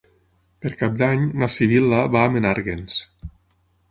Per Cap d'Any na Sibil·la va a Menàrguens.